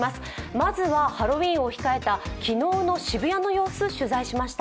まずは、ハロウィーンを控えた昨日の渋谷の様子を取材しました。